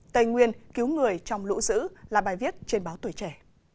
tây nguyên cứu người trong lũ giữ là bài viết trên báo tuổi trẻ